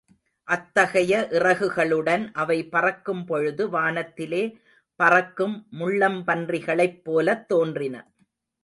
அத்தகைய இறகுகளுடன் அவை பறக்கும் பொழுது வானத்திலே பறக்கும் முள்ளம்பன்றிகளைப் போலத் தோன்றின.